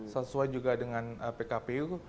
sesuai juga dengan pkpu